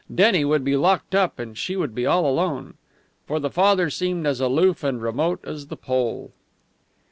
Denny would be locked up and she would be all alone. For the father seemed as aloof and remote as the pole.